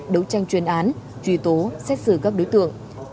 đấu tranh chuyên án truy tố xét xử các đối tượng